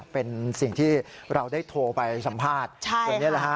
เป็นสิ่งที่เราได้โทรไปสัมภาษณ์